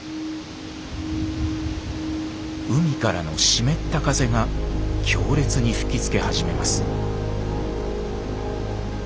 海からの湿った風が強烈に吹きつけ始めます。